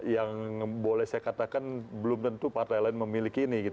yang boleh saya katakan belum tentu partai lain memiliki ini